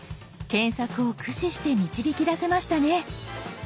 検索を駆使して導き出せましたね。